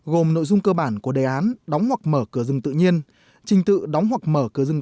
gồm nội dung cơ bản của đề án đóng hoặc mở cửa rừng tự nhiên trình tự đóng hoặc mở cửa rừng